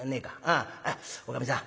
あっおかみさん